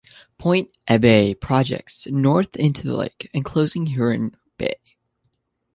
Point Abbaye projects north into the lake, enclosing Huron Bay.